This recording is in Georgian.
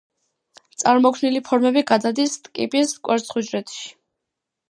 წარმოქმნილი ფორმები გადადის ტკიპის კვერცხუჯრედში.